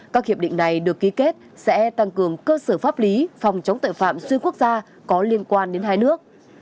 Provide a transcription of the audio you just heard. các hiệp định này được ký kết sẽ tăng cường cơ sở pháp lý phòng chống tội phạm xuyên quốc gia có liên quan đến hai nước